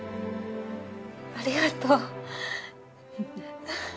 ありがとう。